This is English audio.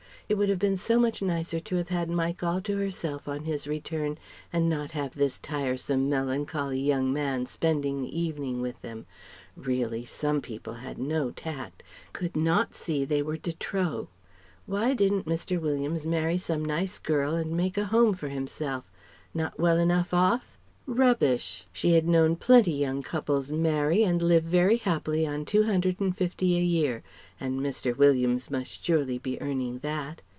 It would have been so much nicer to have had Mike all to herself on his return, and not have this tiresome, melancholy young man spending the evening with them ... really some people had no tact ... could not see they were de trop. Why didn't Mr. Williams marry some nice girl and make a home for himself? Not well enough off? Rubbish! She had known plenty young couples marry and live very happily on Two hundred and fifty a year, and Mr. Williams must surely be earning that?